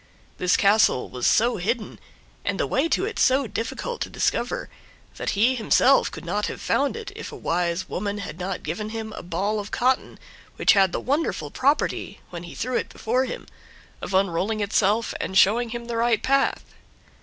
This castle was so hidden, and the way to it so difficult to discover, that he himself could not have found it if a wise woman had not given him a ball of cotton which had the wonderful property, when he threw it before him, of unrolling itself and showing him the right path.